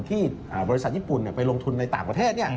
ที่บริษัทญี่ปุ่นไปลงทุนในต่างประเทศ